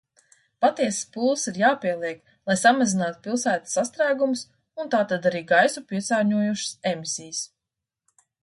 Patiesas pūles ir jāpieliek, lai samazinātu pilsētu sastrēgumus un tātad arī gaisu piesārņojošas emisijas.